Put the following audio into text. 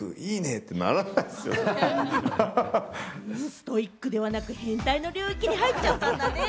ストイックではなく変態の領域に入っちゃったんだね。